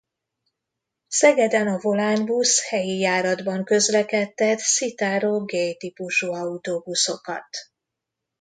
Szegeden a Volánbusz helyi járatban közlekedtet Citaro G típusú autóbuszokat.